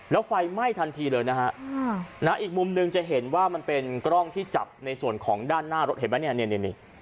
แล้วไฟไหม้ทันทีเลยนะฮะอีกมุมหนึ่งจะเห็นว่ามันเป็นกล้องที่จับในส่วนของด้านหน้ารถเห็นไหมเนี่ยนี่